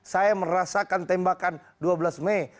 saya merasakan tembakan dua belas mei